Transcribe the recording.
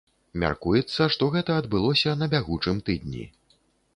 Мяркуецца, што гэта адбылося на бягучым тыдні.